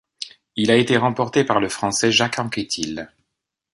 Il a été remporté par le Français Jacques Anquetil.